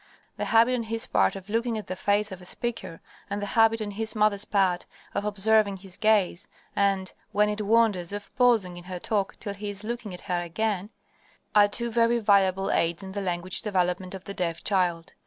The habit on his part of looking at the face of a speaker, and the habit on his mother's part of observing his gaze and, when it wanders, of pausing in her talk till he is looking at her again, are two very valuable aids in the language development of the deaf child.